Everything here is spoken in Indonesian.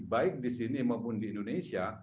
baik di sini maupun di indonesia